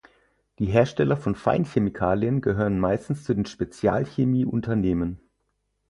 Die Hersteller vom Feinchemikalien gehören meistens zu den Spezialchemie-Unternehmen.